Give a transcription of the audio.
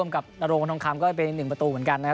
กับนโรงทองคำก็เป็น๑ประตูเหมือนกันนะครับ